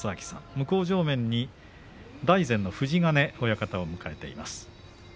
向正面、大善の富士ヶ根親方を迎えています。